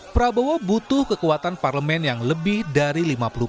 prabowo butuh kekuatan parlemen yang lebih dari lima puluh persen